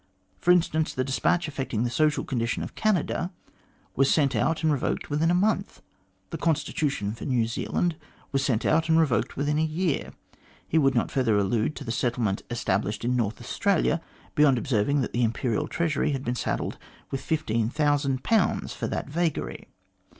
For instance, the despatch affecting the social condition of Canada was sent out and revoked within a month. The constitution for New Zealand was sent out and revoked within a year. He would not further allude to the settle ment established in North Australia, beyond observing that the Imperial Treasury had been saddled with 15,000 for that vagary.